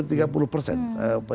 trus aku ini apa